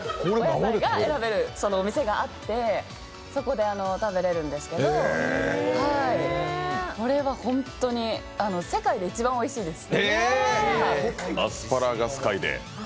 選べるお店があってそこで食べられるんですけどこれは本当に、世界で一番おいしいです。